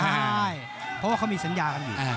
ใช่เพราะว่าเขามีสัญญากันอยู่